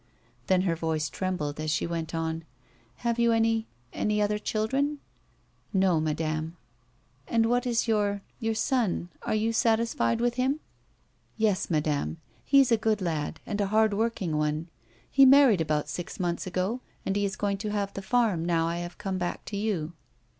Then her voice trembled, as she wont on, " Have you any — any other children ]"" No, madame." " And what is your — your son ] Are you satisfied with him?" A WOMAN'S LIFE. 213 " Yes, madame ; he's a good lad, and a hard working one. He married about six months ago, and he is going to have the farm now I have come back to you."